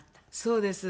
そうです。